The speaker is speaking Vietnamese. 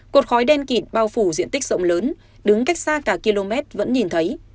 cột khói đen kịt bao phủ diện tích rộng lớn đứng cách xa cả km vẫn nhìn thấy